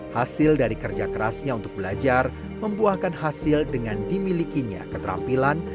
hasil dari kerja kerasnya untuk belajar membuahkan hasil dengan dimilikinya keterampilan